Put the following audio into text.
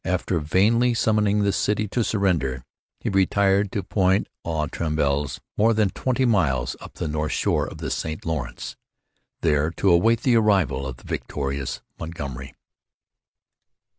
After vainly summoning the city to surrender he retired to Pointe aux Trembles, more than twenty miles up the north shore of the St Lawrence, there to await the arrival of the victorious Montgomery.